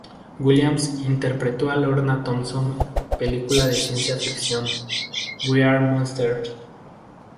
Williams interpretó a Lorna Thompson película de ciencia ficción "We Are Monsters".